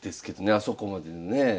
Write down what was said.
あそこまでのねえ。